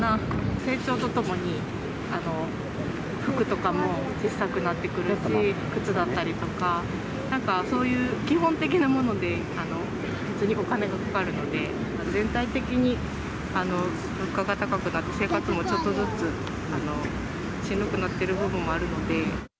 成長とともに、服とかも小さくなってくるし、靴だったりとか、なんかそういう基本的なもので普通にお金がかかるので、全体的に物価が高くなって、生活もちょっとずつしんどくなってる部分もあるので。